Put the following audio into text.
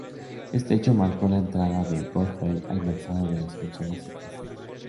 Este hecho marcó la entrada de Good-Feel al mercado de las consolas caseras.